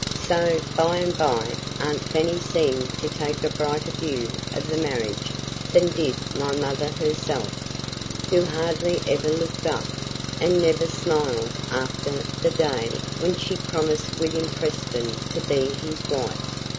So, by and by, aunt Fanny seemed to take a brighter view of the marriage than did my mother herself, who hardly ever looked up, and never smiled after the day when she promised William Preston to be his wife.